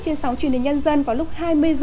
trên sóng truyền hình nhân dân vào lúc hai mươi h